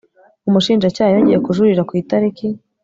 umushinjacyaha yongeye kujurira ku itariki